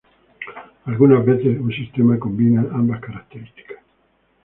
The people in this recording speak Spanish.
Algunas veces un sistema combina ambas características.